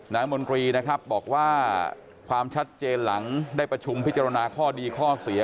มนตรีนะครับบอกว่าความชัดเจนหลังได้ประชุมพิจารณาข้อดีข้อเสีย